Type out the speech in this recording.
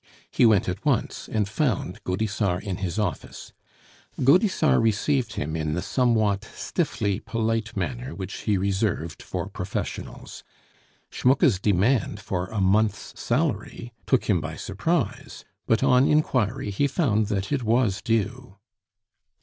He went at once, and found Gaudissart in his office. Gaudissart received him in the somewhat stiffly polite manner which he reserved for professionals. Schmucke's demand for a month's salary took him by surprise, but on inquiry he found that it was due.